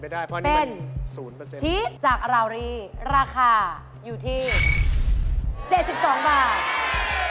ชิ้นจากราวรีราคาอยู่ที่๗๒บาท